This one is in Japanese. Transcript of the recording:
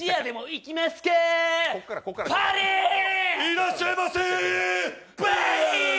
いらっしゃいませー。